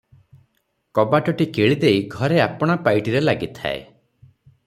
କବାଟଟି କିଳିଦେଇ ଘରେ ଆପଣା ପାଇଟିରେ ଲାଗିଥାଏ ।